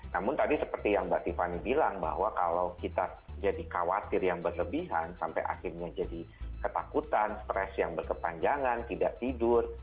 namun tadi seperti yang mbak tiffany bilang bahwa kalau kita jadi khawatir yang berlebihan sampai akhirnya jadi ketakutan stres yang berkepanjangan tidak tidur